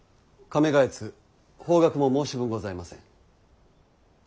亀谷方角も申し分ございません。